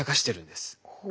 ほう。